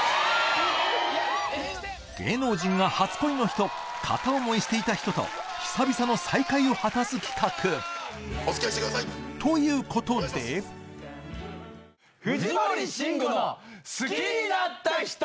芸能人が初恋の人片思いしていた人と久々の再会を果たす企画ということで「藤森慎吾の好きになった人」。